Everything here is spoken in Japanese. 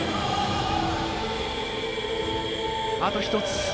あと１つ。